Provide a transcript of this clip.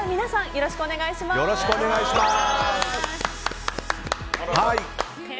よろしくお願いします！